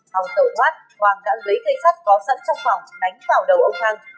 học tẩu hoát hoàng đã lấy cây sắt có sẵn trong phòng đánh vào đầu ông thăng